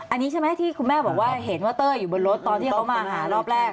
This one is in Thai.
อันนี้ใช่ไหมที่คุณแม่บอกว่าเห็นว่าเต้ยอยู่บนรถตอนที่เขามาหารอบแรก